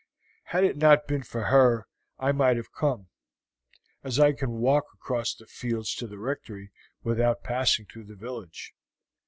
Had it not been for that I might have come, as I can walk across the fields to the Rectory without passing through the village.